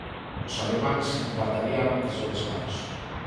Os alemáns empatarían antes do descanso.